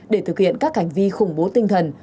để thực hiện các hành vi khủng bố tinh thần